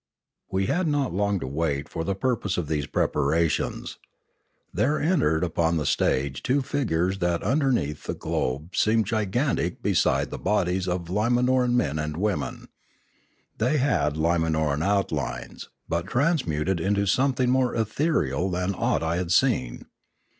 We had not to wait long for the purpose of these preparations. There entered upon the stage two figures that underneath the globe seemed gigantic beside the 422 Limanora bodies of Limanoran men and women. They had Li manor an outlines, but transmuted into something more ethereal than aught I had seen.